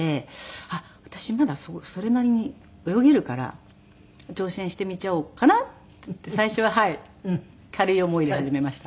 あっ私まだそれなりに泳げるから挑戦してみちゃおうかなって最初は軽い思いで始めました。